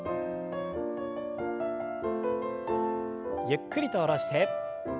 ゆっくりと下ろして。